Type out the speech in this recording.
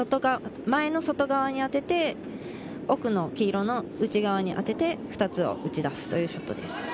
前の外側に当てて奥の黄色の内側に当てて２つを打ち出すというショットです。